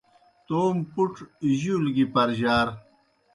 توموْ پُڇ جُول گیْ پرجار۔